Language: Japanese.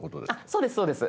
そうですそうです。